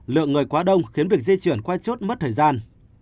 lượng người quá đông khiến việc di chuyển qua chốt mất thời gian